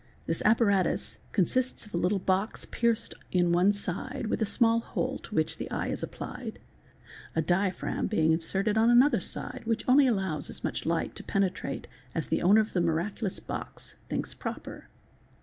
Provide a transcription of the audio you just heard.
This — apparatus consists of a little box pierced in one side with a small hole to which the eye is applied, a diaphragm being inserted on another side which only allows as much light to penetrate as the owner of the miraculous box thinks proper.